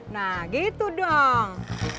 nah gitu dong